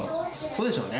そうでしょうね。